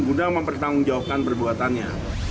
guna mempertanggungjawabkan perbuatannya